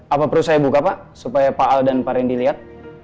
apa perlu saya buka pa supaya pak al dan pak rin dilihat